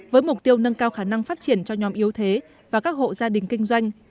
với mục tiêu nâng cao khả năng phát triển cho nhóm yếu thế và các hộ gia đình kinh doanh